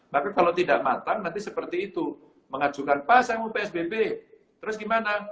maka kalau tidak matang nanti seperti itu mengajukan pasang upsbp terus gimana